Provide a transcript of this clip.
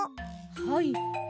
はい。